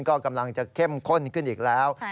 ก็กำลังจะเข้มข้นขึ้นอีกแล้ว